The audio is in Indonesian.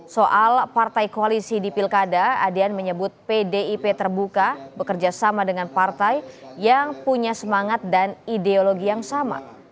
soal partai koalisi di pilkada adian menyebut pdip terbuka bekerja sama dengan partai yang punya semangat dan ideologi yang sama